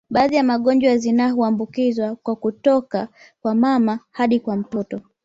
Baadhi ya magonjwa ya zinaa huambukiza kwa kutoka kwa mama hadi kwa mtoto